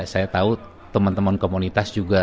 saya tahu teman teman komunitas juga